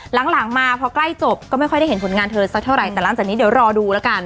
หลังมาพอใกล้จบก็ไม่ค่อยได้เห็นผลงานเธอสักเท่าไหร่แต่หลังจากนี้เดี๋ยวรอดูแล้วกัน